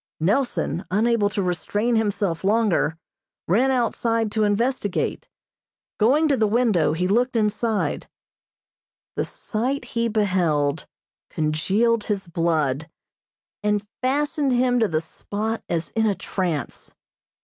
Nelson, unable to restrain himself longer, ran outside to investigate. Going to the window he looked inside. The sight he beheld congealed his blood, and fastened him to the spot as in a trance.